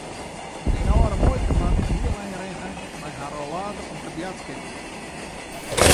Myn âlde muoike moat in heel ein rinne mei har rollator om te boadskipjen.